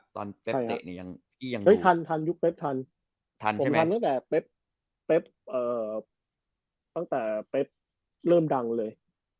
ตอนเป๊บเตะนี่ยังรู้ยุกเป๊บทันผมทันตั้งแต่เป๊บเริ่มดังเลย